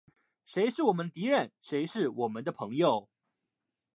谁是我们的敌人？谁是我们的朋友？